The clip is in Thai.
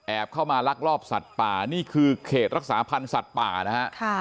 เข้ามาลักลอบสัตว์ป่านี่คือเขตรักษาพันธ์สัตว์ป่านะฮะ